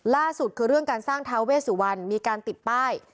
ล่าสุดคือเรื่องการสร้างท้าเวสุวรรณมีการติดป้าย